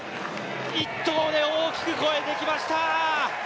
１投で大きく越えてきました。